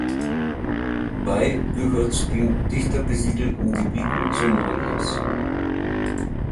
Bay gehört zu den dichter besiedelten Gebieten Somalias.